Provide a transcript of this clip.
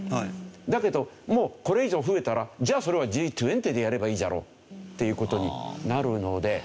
だけどもうこれ以上増えたらじゃあそれはＧ２０でやればいいだろうっていう事になるので。